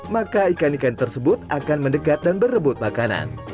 maka ikan ikan tersebut akan mendekat dan berebut makanan